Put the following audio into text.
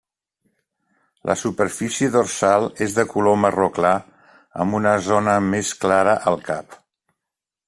La superfície dorsal és de color marró clar, amb una zona més clara al cap.